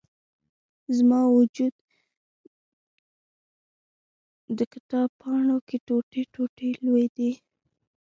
زما و جود، د کتاب پاڼو کې، ټوټي، ټوټي لویدلي